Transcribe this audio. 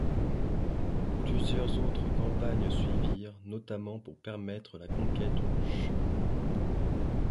Plusieurs autres campagnes suivirent, notamment pour permettre la conquête du Chu.